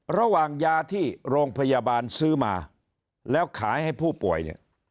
ระหว่างยาที่โรงพยาบาลซื้อมาแล้วขายให้ผู้ป่วยเนี่ย